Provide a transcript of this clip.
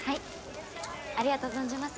ありがとう存じます。